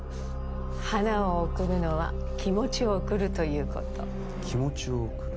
花を贈るのは気持ちを贈るということ気持ちを贈る？